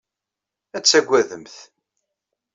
Ad tagademt.